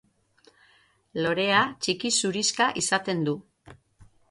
Lorea txiki zurixka izaten du.